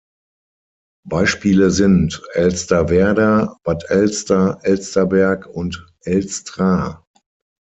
Beispiele sind Elsterwerda, Bad Elster, Elsterberg und Elstra.